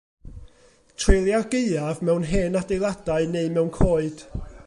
Treulia'r gaeaf mewn hen adeiladau neu mewn coed.